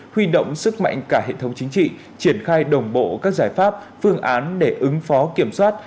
huy động sức mạnh cả hệ thống chính trị triển khai đồng bộ các giải pháp phương án để ứng phó kiểm soát